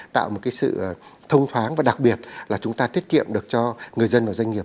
tạo một sự thông thoáng và đặc biệt là chúng ta tiết kiệm được cho người dân và doanh nghiệp